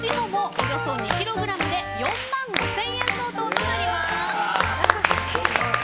およそ２ｋｇで４万５０００円相当となります。